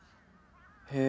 へえ。